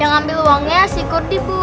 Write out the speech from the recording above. yang ngambil uangnya si kurdi bu